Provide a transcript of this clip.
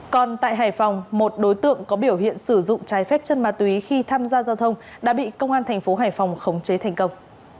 còn tại hải phòng một đối tượng có biểu hiện sử dụng trái phép chân ma túy khi tham gia giao thông đã bị công an thành phố hải phòng khống chế thành công